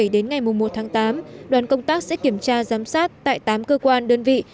đến ngày một tháng tám đoàn công tác sẽ kiểm tra giám sát tại tám cơ quan đơn vị